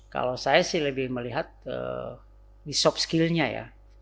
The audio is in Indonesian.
kalau saya sih lebih melihat di soft skillnya ya